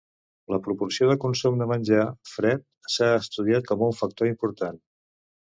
La proporció de consum de menjar fred s'ha estudiat com a un factor important.